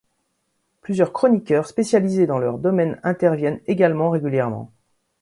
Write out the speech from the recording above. Plusieurs chroniqueurs spécialisés dans leurs domaines interviennent également régulièrement.